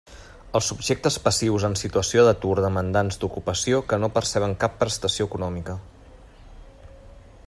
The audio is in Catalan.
Els subjectes passius en situació d'atur demandants d'ocupació que no perceben cap prestació econòmica.